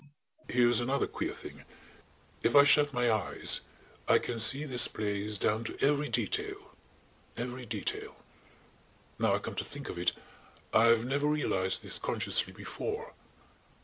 "Here's another queer thing. If I shut my eyes I can see this place down to every detail–every detail. ... Now I come to think of it–I've never realized this consciously before.